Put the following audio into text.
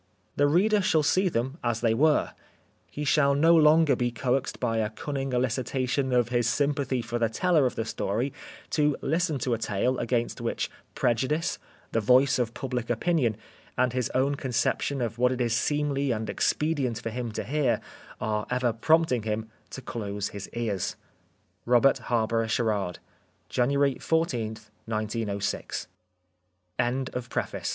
The reader shall see them as they were ; he shall no longer be coaxed by a cunning elicitation of his sympathy for the teller of the story to listen to a tale against which prejudice, the voice of public opinion, and his own con ception of what it is seemly and expedient for him to hear are ever prompting him to close his ears. Robert Harborough Sherard. January 14th, 190